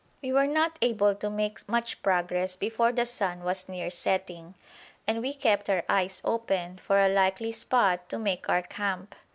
We were not able to make much progress before the sun was near setting, and we kept our eyes open for a likely spot to make our camp.